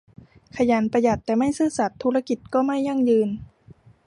ขยัน ประหยัดแต่ไม่ซื่อสัตย์ ธุรกิจก็ไม่ยั่งยืน